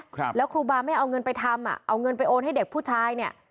ครับแล้วครูบาไม่เอาเงินไปทำอ่ะเอาเงินไปโอนให้เด็กผู้ชายเนี้ย